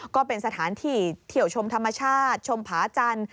ก็เป็นสถานที่เที่ยวชมธรรมชาติชมผาจันทร์